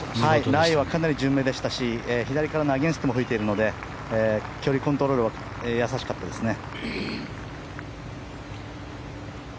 ライはかなり順目でしたし左からのアゲンストも吹いているのでコントロールは易しかったですね。